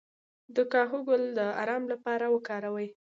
د کاهو ګل د ارام لپاره وکاروئ